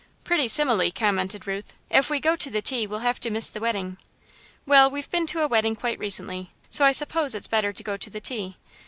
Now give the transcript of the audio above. "Pretty simile," commented Ruth. "If we go to the tea, we'll have to miss the wedding." "Well, we've been to a wedding quite recently, so I suppose it's better to go to the tea.